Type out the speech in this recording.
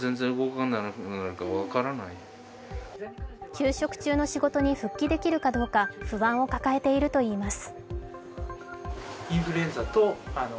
休職中の仕事に復帰できるかどうか不安を抱えているといいます。